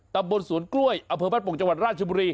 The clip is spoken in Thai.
ตำบลสวนกล้วยอำเภอบ้านโป่งจังหวัดราชบุรี